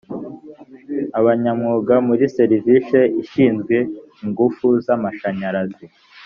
abanyamwuga muri serivisi ishinzwe ingufu za amashanyarazi